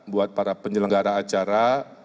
buat para penyelenggara acara